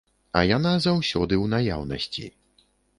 А яна заўсёды ў наяўнасці.